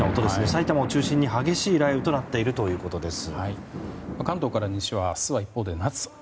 埼玉を中心に激しい雷雨となっているということです。